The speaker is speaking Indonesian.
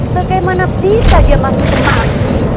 bagaimana bisa dia masuk kembali